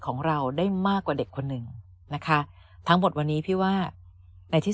ของเราได้มากกว่าเด็กคนหนึ่งนะคะทั้งหมดวันนี้พี่ว่าในที่สุด